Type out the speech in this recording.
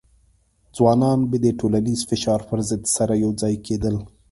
ځوانان به د ټولنیز فشار پر ضد سره یوځای کېدل.